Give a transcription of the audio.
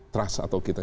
tras atau kita